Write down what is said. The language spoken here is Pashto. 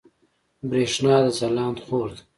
برېښنا د ځلاند خور ده